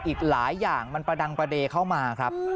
อีกหลายอย่างมันประดังประเด็นเข้ามาครับ